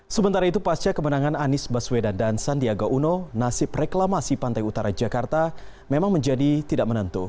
sementara itu pasca kemenangan anies baswedan dan sandiaga uno nasib reklamasi pantai utara jakarta memang menjadi tidak menentu